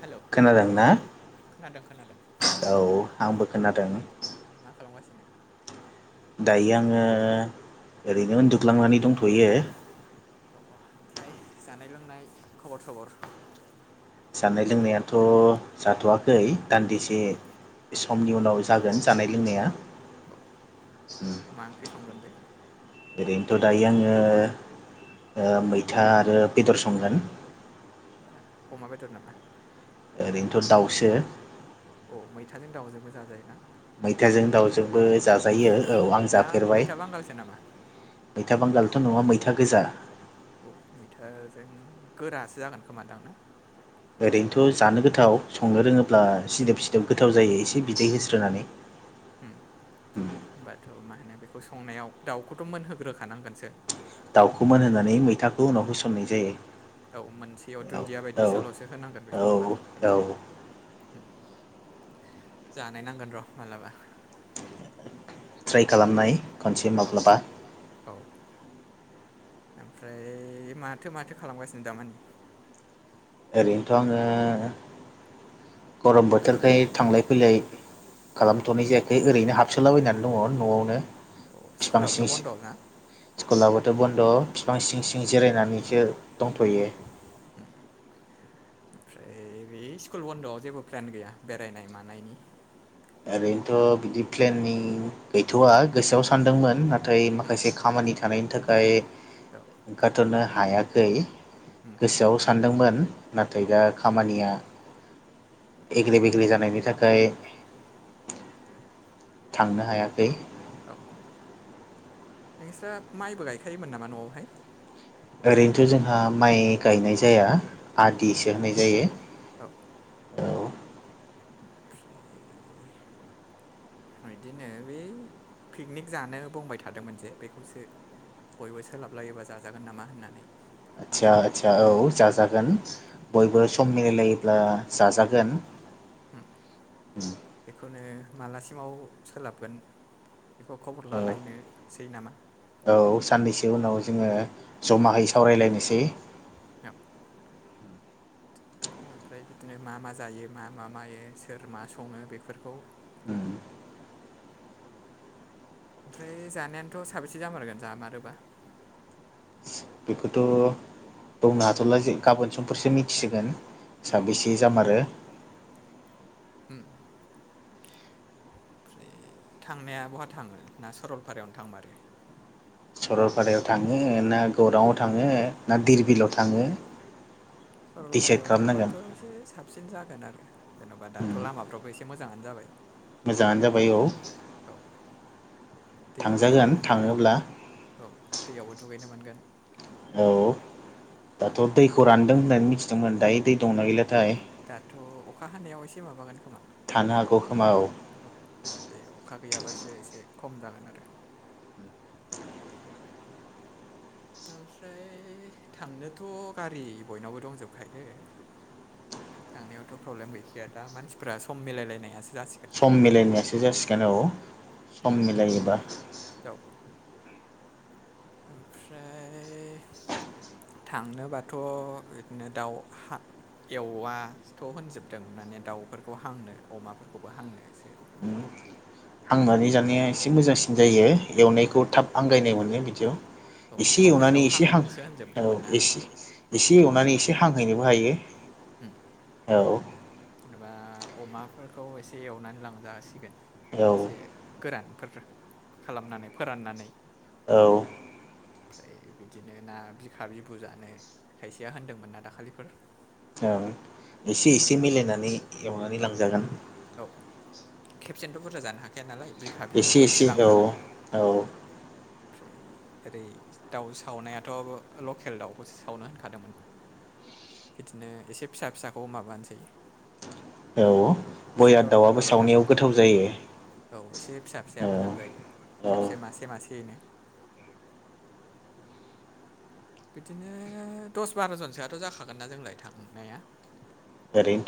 Hello खोनादों ना? खोनादों खोनादों औ आंबो खोनादों मा खालामगासिनो? दायो आङो ओरैनो उन्दुग्लांनानै दंथ'यो। अ ओमफ्राय जानाय लोंनाय खबर सबर जानाय लोंनायाथ' जाथ'वाखै दान्दिसे समनि उनाव जागोन जानाय लोंनाया अ मा ओंख्रि संगोनलै? ओरैनोथ' दायो आङो मैथा आरो बेदर संगोन अमा बेदर नामा ओरैनोथ' दाउसो अ मैथाजों दाउजोंबो जाजायोना मैथाजों दाउजोंबो जाजायो। औ आं ना जाफेरबाय मैथा बांगालसो नामा मैथा बांगालथ' नङा मैथा गोजा अ मैटारजों गोरासो जागोन खोमा दां ना? ओरैनोथ' जानो गोथाव संनो रोङोब्ला सिदोब सिदोब गोथाव जायो एसे बिदै होस्रोनानै होम होनोमबाथ' मा होनो बेखौ संनायाव दाउखौथ' मोनहोग्रोखानांगोनसो दाउखोन होननानै मैथाखौ उनाव होसननाय जायो औ मोनसेयाव औ दुन्दिया औ बायदिसोल'सो होनांगोन औ बेखौ होनबाथ' औ जानाय नांगोन र' मालाबा ट्राइ खालामनाय खनसे औ माब्लाबा औ ओमफ्राय माथो माथो खालामगासिनो दामानि ओरैनोथ' आङो गरम बोथोरखाय थांलाय फैलाय खालामथ'नाय जायाखै ओरैनो हाबसोलाबायनानै दङ न'आवनो अ बिफां सिं स्कुलाआबोथ' बन्द' ना स्कुलाबोथ' बन्द' बिफां सिं सिं जिरायनानैसो दंथ'यो। ओमफ्राय बे स्कुल बन्द'आव जेबो प्लेन गैया बेरायनाय मानायनि ओरैनोथ' बिदि प्लेननि गैथ'वआ गोसोआव सानदोंमोन नाथाय माखासे खामानि थानायनि थाखाय [inaudible] हायाखै गोसोआव सानदोंमोनै दा खामानिया एग्रे बेग्रे जानायनि थाखाय थांनो हायाखै औ नोंस्रा माइबो गायखायोमोन नामा न'आवहाय ओरैनोथ' जोंहा माइ गायनाय जाया औ ओमफ्राय आदिसो होनाय जायो। औ ओमफ्राय बिदिनो बै पिकनिक जानो बुंबाय थादोंमोन जे बेखौसो बयबो सोलाब लायोबा जाजागोन नामा होननानै आदचसा आचसा औ जाजागोन बयबो सम मिलायलायोब्ला जाजागोन हम बेखौनो मालासिमाव सोलाबगोन बेखौ खबर औ लालायनोसै नामा? औ साननैसो उनाव जोङो जमाहै सावरायलायनोसै औ ओमफ्राय बिदिनो मा मा जायो मा मा मायो सोर मा सङो बेफोरखौ उम ओमफ्राय जानायानोथ' साबेसे जामारगोन जामारोबा बेखौथ' बुंनो हाथ'ला गाबोन समफोरसो मिथिसिगोन उम साबेसे जामारो उम ओमफ्राय थांनाया बहा थाङो ना सरलपारायावनो थांमारो सरलपारायाव थाङो ना, गौराङआव थाङो ना, धिरबिलाव थाङो डिसाइद सरलपारियाव खालामनांगोन थांबाथ' एसे साबसिन जागोन आरो जेन'बा दाथ' लामाफ्राबबो एसे मोजाङानो जाबाय मोजाङानो जाबाय औ औ दैयावबो थांजागोन दुगैनो मोनगोन थाङोब्ला औ दैयावबो दुगैनो मोनगोन औ दाथ' दैखौ रानदों होननानै मिथिदोंमोन दायो दै दंना गैलाथाय थ' अखा हानायाव एसे माबागोन खोमा थानो हागौ खोमा औ बे अखा गैयाबासो एसे खम जागोन आरो ओमफ्राय थांनोथ' गारि बयनावबो दंजोबखायो थांनायावथ' प्रब्लेम गैखाया दा मानसिफोरा सम मिलायलायनायासो जासि सम मिलायनायासो जासिगोन औ सम मिलायोबा औ ओमफ्राय थांनोबाथ' बिदिनो दाउ हा एववथ' होनजोबदों माने दाउफोरखौ हांनो अमाफोरखौबो हांनोसो हांनानै जानाया ए से मोजांसिन जायो एवनायखौ थाब आंगायनाय मोनो बिदियाव औ एसे लकेल एवनानै दाउ एसे हां हांनोसो औ होनजोबदोंमोन ना एसे एसे एवनानै एसे हांहैनोबो हायो उम औ जेनेबा अमाफोरखौ एसे एवनानै लांजासिगोन औ एसे गोरान खालामनानै फोराननानै औ औ ओमफ्राय बिदिनो ना बिखा बिफु जानो खायसेया होनदोंमोन ना दाखालिफोर। औ एसे एसे मिलायनानै एवनानै औ लांजागोन। औ खेबसेनोथ' बुरजा जानो हाखाया नालाय बे हा बिबुबो एसे लांजागोन औ ओमफ्राय ओरै दाउ सावनायाथ' लकेल दाउखौसो सावनो होनखादोंमोन। बिदिनो एसे फिसा फिसाखौ माबानोसै औ एसे बयलार दर'था दाउआबो दर'थाबा सावनायाव गोथाव जायो। औ एसे फिसा फिसाया मोजां जायो औ औ खेबसे मासे मासेयैनो। [unintelligible] बिदिनो दस बार'जनसोआथ' जाखागोन नालाय जों थांनाया।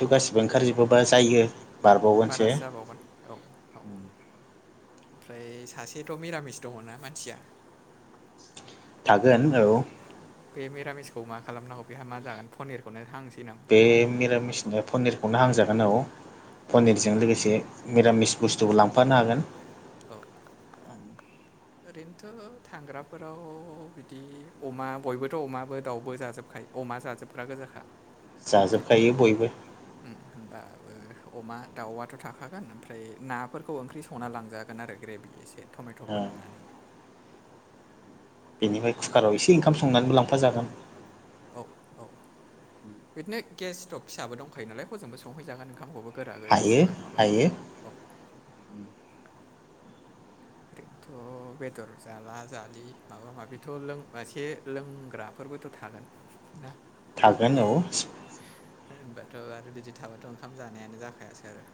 ओरैनोथ' गासिबो ओंखारजोबोबा जाय फैयो बारासो जाबावगोन औ औ। ओमफ्राय सासेथ' मिरामिस दङना मानसिया। थागोन औ बे मिरामिसखौ मा खालामनांगौ बेहा मा जागोन पनिरखौनो हांनोसै नामा? बे मिरामिसनो बे पनिरखौनो हांजागोन औ। पनिरजों लोगोसे मिरामिस बुस्थुबो लांफानो हागोन। औ ओरैनोथ' थांग्राफोराव बिदि अमा बयबोथ' अमाबो दाउबो जाजोबखायो। अमा जाजोबग्रा गोजाखा। जाजोबखायो बयबो। उम होनबाबो अमा दाउआथ' थाखागोन ओमफ्राय नाफोरखौ ओंख्रि संना लांजा गोन आरो ग्रेबि एसे टमेटफोर ओ होनानै। बेनिफ्राय जेन'बा कुकाराव एसे ओंखाम संनानैबो लांफाजागोन। औ औ बिदिनो गेस स्टभ फिसाबो दंखायो नालाय हजोंबो संहैजागोन ओंखामखौबो। गोरा गोरिसो हायो जागोन हायो नङाब्ला औ। ओरैनोथ' बेदर जाला जालि माबा माबिथ' लों एसे लोंग्रा फोरबोथ' थागोन ना। थागोन औ। होनबाथ' आरो बिदि थाबाथ' ओंखाम जानायानो जाखायासै आरो।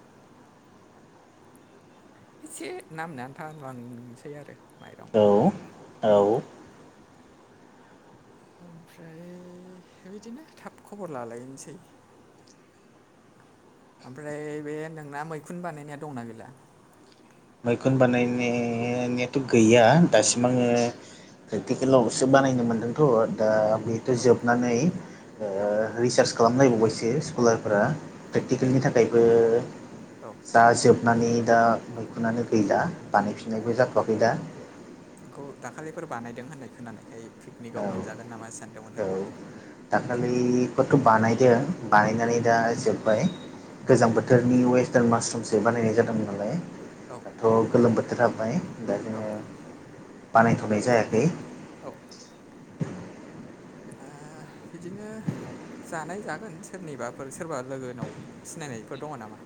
एसे नामनो आन्था लांसै आरो माइरं औ ओंखाम। औ औ ओमफ्राय बिदिनो थाब खबर लालायनोसै। ओमफ्राय बे नोंना मैखुन बानायनाया दंना गैला? मैखुन बानायनायथ' गैया दासिम आङो प्रेकटिकेलावसो बानायनो मोन्दोंथ' दा बेथ' औ जोबनानै ओ औ रिसार्च खालामलायबावबायसो स्कलारफोरा उम प्रेक्टिकेलनि थाखायबो औ जाजोबनानै दा मैखुनानो गैला बानायफिननायबो जाथ'वाखै दा। नोंखौ दाखालिफोर बानायदों होननाय खोनानायखाय पिकनिकाव मोनजागोन नामा सानदोंमोन आरो। दाखालिखौथ' बानायदों औ बानायनानै दा जोब्बाय गोजां बो औ थोरनि वेस्टार्न मासरुमसो बानायनाय जादोंमोन। औ औ गोलोम बोथोर हाब्बाय दा औ जोङो बानायथ'नाय जायाखै। औ जोंआ बिदिनो जानाय जागोन सोरनिबाफोर सोरबा लोगोनाव सिनायनायफोर दङ नामा?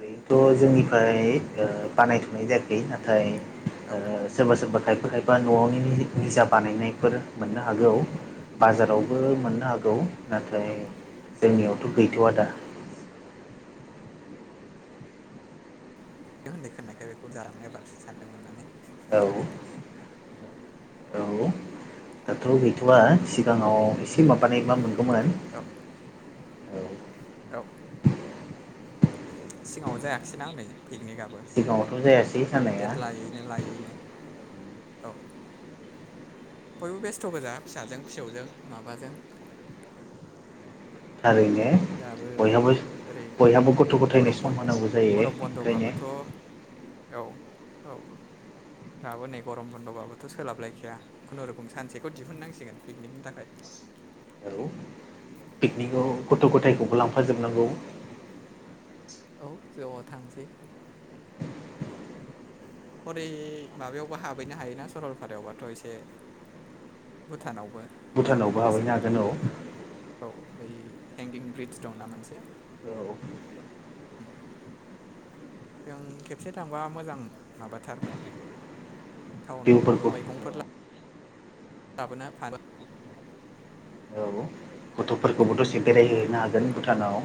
बेथ' जोंनिफ्राय ओ बानायथ'नाय जायाखै नाथाय औ ओ सोरबा सोरबा खायफा खायफा न'आवनि निजा बानायनायफोर मोननो औ हागौ औ बाजारावबो मोननो हागौ नाथाय औ जोंनियावथ' गैथ'आ दा। नों होननाय खोननायखाय बेखौ जालांबाय एबारसो सानदोंमोन माने। औ औ दाथ' गैथ'वा सि ओमफ्राय औ औ औ। सिगाङाव जायाखैसैना हनै पिकनिकआबो। सिगाङावथ' जायासै जानाया। बिनो लायैनो औ। बयबो बेस्थ' गोजा फिसाजों फिसौजों माबाजों। थारैनो दाबो बयहाबो ओरै बयहाबो गथ' गथायनो गरम बन सम होनांगौ जायो गरम ओंखायनो। बन्द'बाबोथ' औ औ दाबो नै गरम बन्द'बाबोथ' सोलाबलायखाया। खुनुरुखुम सानसेखौ दिहुननांसिगोन पिकनिकनि थाखाय। औ पिकनिकआव गथ' गथायखौबो लांफाजोबनांगौ। औ ज' थांसै। हरै माबायावबो हाबैनो हायोना सरलपारायावबाथ' एसे। भुटानावबो। भुटानावबो हाबैनो हाबहैनो गोसोबा हागोन औ औ बै हेंगिं ब्रिडज दंना मोनसे। औ। ओम जों खेबसे थांबा मोजां। माबाथारमोन टाउनावबो जिउफोरखौ मैगंफोर जाबोना [unintelligible] औ गथ'फोरखौबो दसे बेरायहैहोनो हागोन भुटानाव।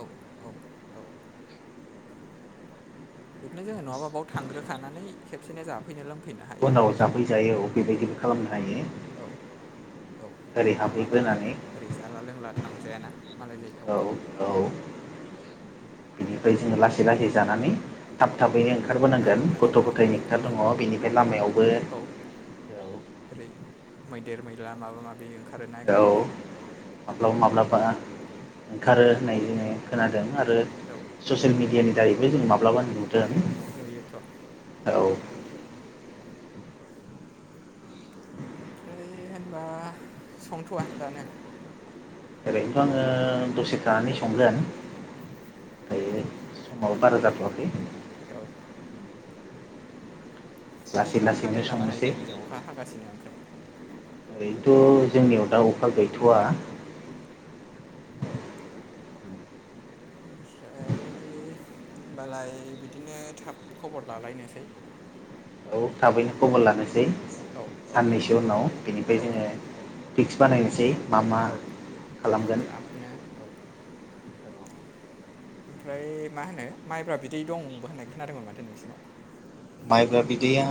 औ औ औ। बिदिनो जोंङो नङाबा बाव थांग्रोखानानै खेबसेनो जाफैनो लोंफैनो हायो उनाव आरो जाफैजायो औ बेबायदिबो खालामनो हायो औ। औ ओरै नङाबा हाबहैग्रोनानै ओरै जाला लोंला थांजायाना। मालाय जायगायाव औ औ। बिनिफ्राय जोङो लासै लासै जानानै थाब थाबैनो औ ओंखारबोनांगोन लासै गथ' लासै गथायनि खोथा जानानै दङ बेनिफ्राय लामायावबो औ ओरै मैदेर मैला माबा माबि ओं औ माब्लाबा माब्लाबा ओंखारो होननाय जोङो खोनादों आरो औ। ससियेल मिडियानि दारैबो जों माब्लाबा नुदों नुयोथ' औ। ओमफ्राय होनबा संथ'वा दानो? ओरैनोथ' आङो दसे थानानै संगोन दायो समाबो बारा जाथ'वाखै। औ। लासै अखा लासैनो हादों नामा नै संनोसै जोंनिजों अखा हागासिनो ओमफ्राय। ओरैनोथ' जोंनियाव दाउ औ। ओमफ्राय होनबालाय बिदिनो थाब खबर लालायनोसै। औ थाबैनो खबर लानोसै औ औ साननैसो उनाव बिनिफ्राय औ जोङो फिक्स बानायनोसै मा मा खालामगोन। नो औ। ओमफ्राय मा होनो माइब्रा बिदै दंबो होननाय खोनादोंमोन माथो नोंसिनाव। माइब्रा बिदैया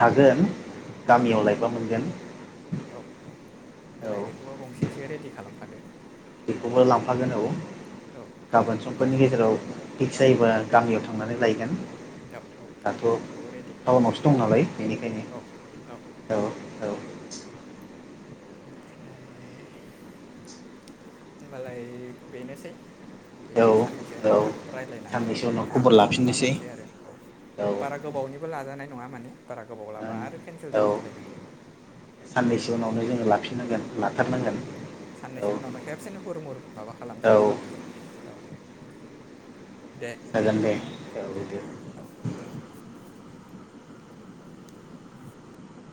थागोन औ गामियाव लायबा मोनगोन। औ औ औ होमबालाय बेखौबो गंसेसो रेडि खालामखादो। बेखौबो लांफागोन औ। औ गाबोन समफोरनि गेजेराव फिक्स औ जायोबा गामियाव थांनानै लायगोन। औ औ दाथ' खौ रेडि टाउनावसो खालामखादो दं नालाय बेनिखायनो औ औ औ औ। ओमफ्राय होमबालाय बेनोसै औ बिदिनो साननैसो उनाव औ थाब रायज्लायनानै साननैसो उनाव थाब खबर लाफिननोसै माबानोसै आरो औ औ बारा गोबावनिबो लाजानाय नङा माने बारा गोबाव लाबा ओं आरो केनसेल औ जाफिनलायगोन। साननैसो औ उनावनो जोङो लाफिनांगोन औ लाथारनांगोन औ साननैसो औ। उनावनो खेबसेनो हुर मुर माबा खालामसै औ औ। दे होनबा जागोन दे औ औ। दे